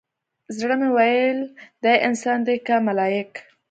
زړه مې ويل دى انسان دى كه ملايك؟